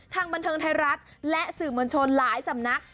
ทางบันเทิงไทยรัฐและสื่อมวลชนหลายสำนัก